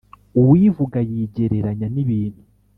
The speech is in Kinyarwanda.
Uwivuga yigereranya n’ibintu